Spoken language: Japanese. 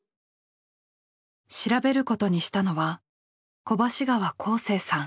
調べることにしたのは小橋川興盛さん。